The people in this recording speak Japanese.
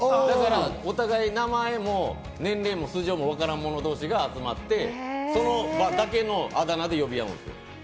お互いに名前も年齢も素性もわからんもの同士が集まって、その場だけのあだ名で呼び合うんですよ。